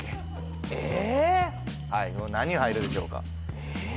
はい何が入るでしょうか？